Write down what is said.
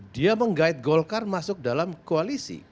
dia menggait golkar masuk dalam koalisi